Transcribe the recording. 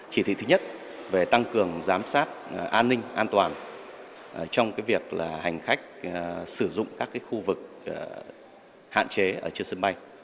chỉ thị thứ nhất về tăng cường giám sát an ninh an toàn trong việc hành khách sử dụng các khu vực hạn chế ở trên sân bay